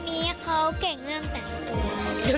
หม่ามีเขาเก่งเรื่องแตกตัว